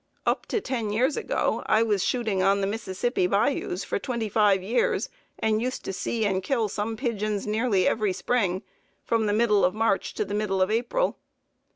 Up to ten years ago I was shooting on the Mississippi bayous for twenty five years, and used to see and kill some pigeons nearly every spring, from the middle of March to the middle of April.